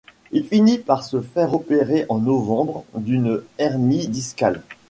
Il finit par se faire opérer en novembre d'une hernie discale.